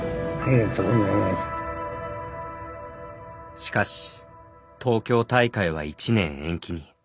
しかし東京大会は１年延期に。